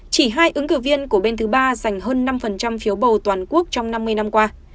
chỉ hai ứng cử viên của bên thứ ba dành hơn năm phiếu bầu toàn quốc trong năm mươi năm qua